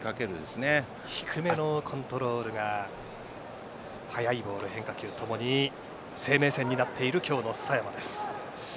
低めのコントロールが速いボール、変化球ともに生命線になっている今日の佐山です。